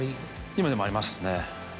今でもありますね。